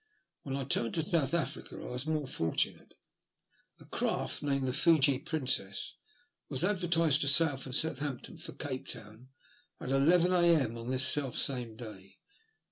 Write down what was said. When I turned to South Africa I was more fortunate ; a craft named the Fiji Princ€89 was advertised to sail from Southampton for Gape Town at 11 a.m. on this self same day.